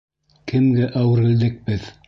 Кемгә әүерелдек беҙ?